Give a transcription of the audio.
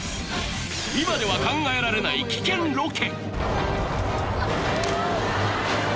今では考えられない危険ロケ